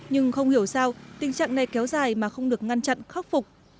nhưng không hiểu sao tình trạng này kéo dài mà không được ngăn chặn khắc phục